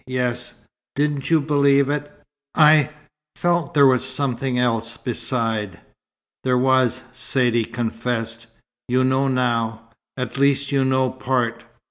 "Yes." "Didn't you believe it?" "I felt there was something else, beside." "There was!" Saidee confessed. "You know now at least you know part.